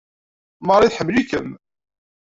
Marie tḥemmel-ikem!